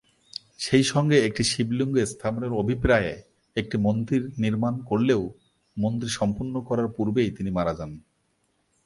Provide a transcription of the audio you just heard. সেইসঙ্গে একটি শিবলিঙ্গ স্থাপনের অভিপ্রায়ে একটি মন্দির নির্মাণ করলেও মন্দির সম্পন্ন করার পূর্বেই তিনি মারা যান।